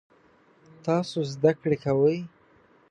تاسو زده کړی کوئ؟